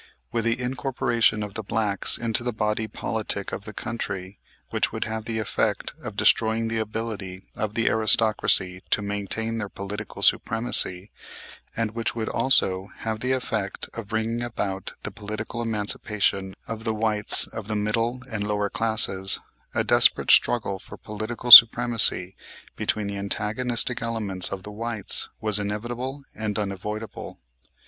With the incorporation of the blacks into the body politic of the country, which would have the effect of destroying the ability of the aristocracy to maintain their political supremacy, and which would also have the effect of bringing about the political emancipation of the whites of the middle and lower classes, a desperate struggle for political supremacy between the antagonistic elements of the whites was inevitable and unavoidable.